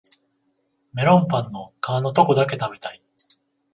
メロンパンの皮のとこだけ食べたい